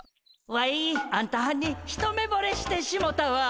ワイあんたはんに一目ぼれしてしもたわ！